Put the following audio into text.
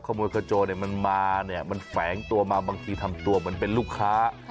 ขโมยเขาโจทย์เนี่ยมันมาเนี่ยมันแฝงตัวมาบางทีทำตัวมันเป็นลูกค้า